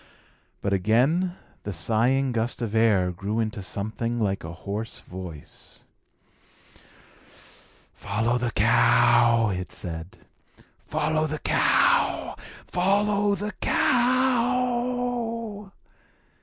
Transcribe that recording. But again the sighing gust of air grew into something like a hoarse voice. "Follow the cow!" it said. "Follow the cow! Follow the cow!"